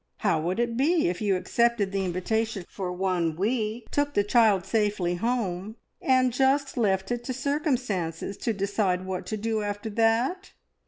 How would it be if you accepted the invitation for one week, took the child safely home, and just left it to circumstances to decide what to do after that?"